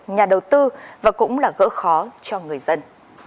nhà đầu tư và cũng là gỡ khó cho người dân